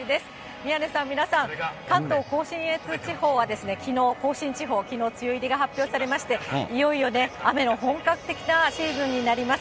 宮根さん、皆さん、関東甲信越地方はきのう、甲信地方、きのう梅雨入りが発表されまして、いよいよ雨の本格的なシーズンになります。